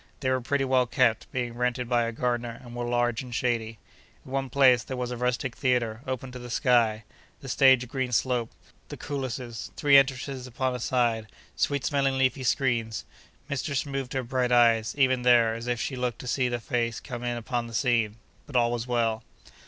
They were pretty well kept, being rented by a gardener, and were large and shady. In one place there was a rustic theatre, open to the sky; the stage a green slope; the coulisses, three entrances upon a side, sweet smelling leafy screens. Mistress moved her bright eyes, even there, as if she looked to see the face come in upon the scene; but all was well.